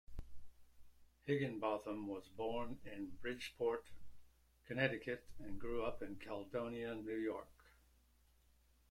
Higinbotham was born in Bridgeport, Connecticut, and grew up in Caledonia, New York.